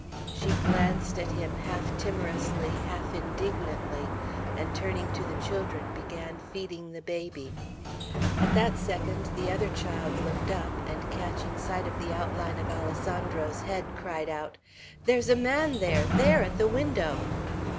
She glanced at him half timorously, half indignantly, and turning to the children, began feeding the baby. At that second the other child looked up, and catching sight of the outline of Alessandro's head, cried out, "There's a man there! There, at the window!"